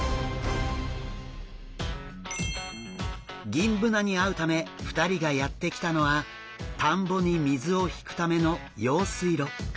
ギンブナに会うため２人がやって来たのは田んぼに水を引くための用水路。